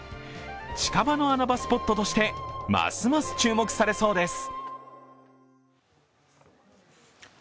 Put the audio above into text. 近場の穴場スポットとしてますます注目されそうです。